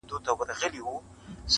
o چي بیا به څه ډول حالت وي. د ملنگ.